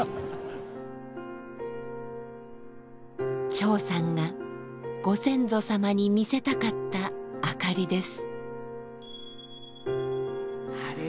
張さんがご先祖様に見せたかった明かりです。